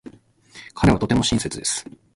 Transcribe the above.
彼はとても親切です。